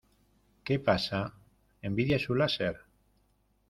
¿ Qué pasa? Envidia su láser.